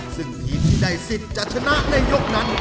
ซึ่งทีมที่ได้สิทธิ์จะชนะในยกนั้น